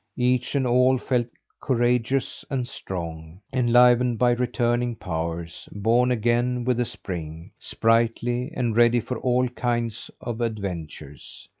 Each and all felt courageous and, strong; enlivened by returning powers; born again with the spring; sprightly, and ready for all kinds of adventures.